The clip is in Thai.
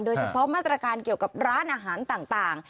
โดยเฉพาะมาตรการเกี่ยวกับร้านอาหารต่าง